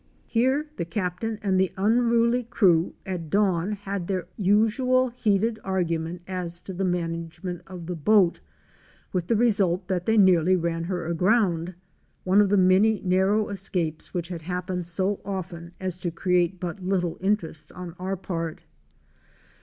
Here the Captain and the unruly crew at dawn had their usual heated argument as to the management of the boat, with the result that they nearly ran her aground — one of the many narrow escapes which had happened so often as to create but little interest on our part.